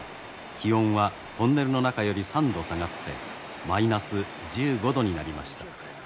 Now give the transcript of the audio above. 気温はトンネルの中より３度下がってマイナス１５度になりました。